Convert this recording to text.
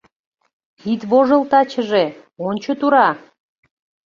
Ит вожыл тачыже, ончо тура.